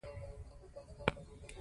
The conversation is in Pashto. بازار ښه غبرګون وښود.